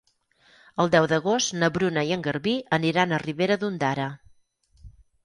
El deu d'agost na Bruna i en Garbí aniran a Ribera d'Ondara.